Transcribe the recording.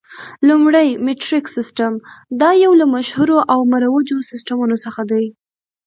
لومړی میټریک سیسټم، دا یو له مشهورو او مروجو سیسټمونو څخه دی.